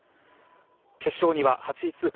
決勝には８位通過。